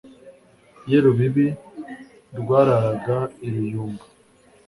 Ye Rubibi rwararaga i Ruyumba,